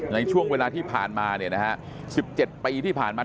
ในช่วงเวลาที่ผ่านมาเนี่ยนะฮะ๑๗ปีที่ผ่านมา